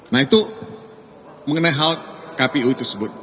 nah itu mengenai hal kpu tersebut